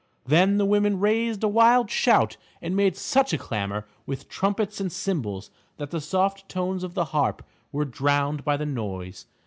Then the women raised a wild shout and made such a clamor with trumpets and cymbals, that the soft tones of the harp were drowned by the noise.